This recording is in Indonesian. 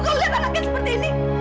kau lihat anaknya seperti ini